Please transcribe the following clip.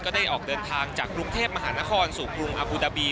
ได้ออกเดินทางจากกรุงเทพมหานครสู่กรุงอบูดาบี